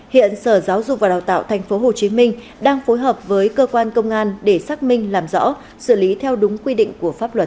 hiện sở giáo dục và đào tạo tp hcm đang phối hợp với cơ quan công an để xác minh làm rõ xử lý theo đúng quy định của pháp luật